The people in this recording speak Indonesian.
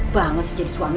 banget sih jadi suami